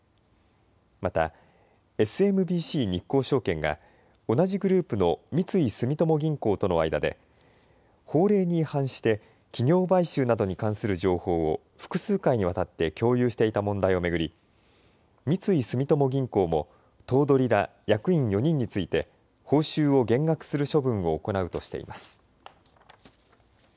またＳＭＢＣ日興証券が同じグループの三井住友銀行との間で法令に違反して企業買収などに関する情報を複数回にわたって共有していた問題を巡り、三井住友銀行も頭取ら役員４人について報酬を減額する処分を行うとしています。